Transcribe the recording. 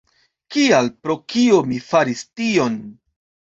Kial, pro kio mi faris tion?